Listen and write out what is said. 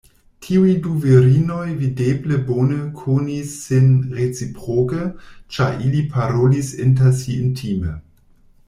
Tiuj du virinoj videble bone konis sin reciproke, ĉar ili parolis inter si intime.